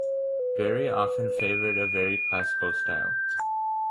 Barry often favoured a very classical style.